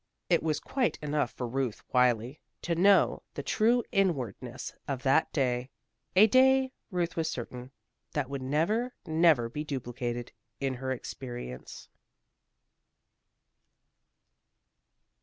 It was quite enough for Ruth Wylie to know the true inwardness of that day; a day, Ruth was certain, that would never, never be duplicated in her experience.